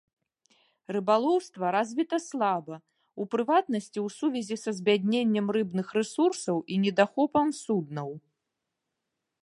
Рыбалоўства развіта слаба, у прыватнасці ў сувязі з збядненнем рыбных рэсурсаў і недахопам суднаў.